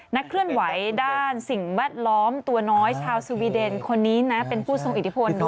นักเคลื่อนไหวด้านสิ่งแวดล้อมตัวน้อยชาวสวีเดนคนนี้นะเป็นผู้ทรงอิทธิพล